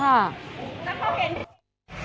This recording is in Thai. ท่านครอบเบน